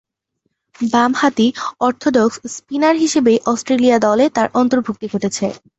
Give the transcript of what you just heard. বামহাতি orthodox spinner হিসেবেই Australia দলে তার অন্তর্ভুক্তি ঘটেছে।